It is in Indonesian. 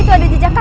itu ada jejak kaki